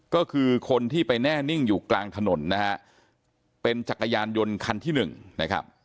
ก็คือคนที่ไปแน่นิ่งอยู่กลางถนนนะฮะเป็นจักรยานยนต์คันที่หนึ่งนะครับ